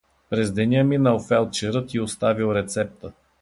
През деня минал фелдшерът и оставил рецепта.